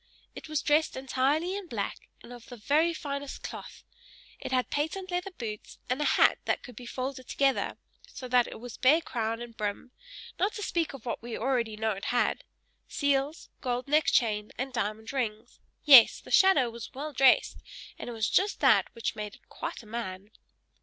It was dressed entirely in black, and of the very finest cloth; it had patent leather boots, and a hat that could be folded together, so that it was bare crown and brim; not to speak of what we already know it had seals, gold neck chain, and diamond rings; yes, the shadow was well dressed, and it was just that which made it quite a man.